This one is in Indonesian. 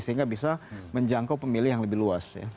sehingga bisa menjangkau pemilih yang lebih luas